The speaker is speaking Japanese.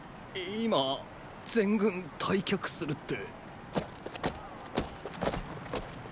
今全軍退却するって。！